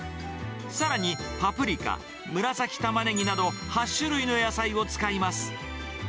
さらにパプリカ、紫タマネギなど、８種類の野菜を使います。